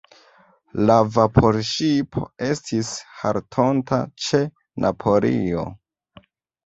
La vaporŝipo estis haltonta ĉe Napolio.